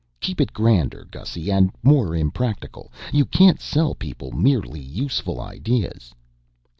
Keep it grander, Gussy, and more impractical you can't sell people merely useful ideas."